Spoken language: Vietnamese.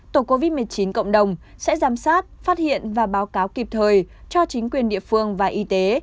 tổ covid một mươi chín cộng đồng sẽ giám sát phát hiện và báo cáo kịp thời cho chính quyền địa phương và y tế